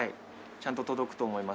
ちゃんと届くと思います。